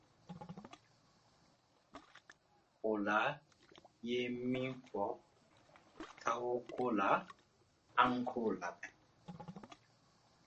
Ola ye min fɔ Tao ko la, aw k’o lamɛn.